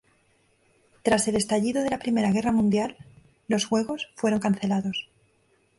Tras el estallido de la Primera Guerra Mundial, los Juegos fueron cancelados.